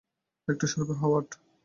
একটু সরবে, হাওয়ার্ড।